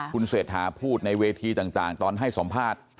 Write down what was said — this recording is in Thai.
คุณเศรษฐาพูดในเวทีต่างตอนให้สัมภาษณ์